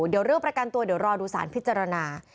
เดี๋ยวเรื่องประกันตัวเดี๋ยวรอดูสารพิจารณา